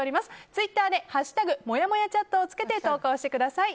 ツイッターで「＃もやもやチャット」をつけて投稿してください。